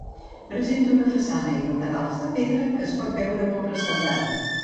Presenta una façana i laterals de pedra que es pot veure molt restaurada.